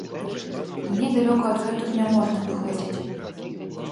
Мне далёка адгэтуль няможна адыходзіць.